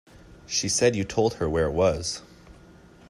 She said you told her where it was.